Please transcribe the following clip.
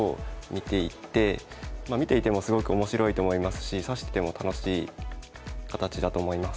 まあ見ていてもすごく面白いと思いますし指してても楽しい形だと思います。